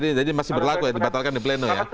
ini jadi masih berlaku ya dibatalkan di pleno ya